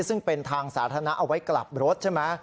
ซึ่งเป็นทางสาธารณะเอาไว้กลับรถใช่ไหม